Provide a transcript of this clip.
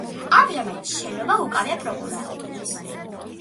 ამჟამად შენობა უკავია პროკურატურას.